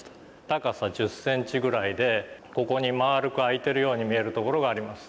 高さ１０センチぐらいでここにまるく開いてるように見える所があります。